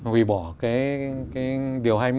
hủy bỏ cái điều hai mươi